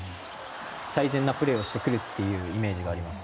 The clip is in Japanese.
最善なプレーをしてくるイメージがあります。